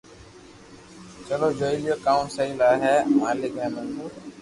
چلو جوئي ليو ڪاو سھي ھي مالڪ ني منظور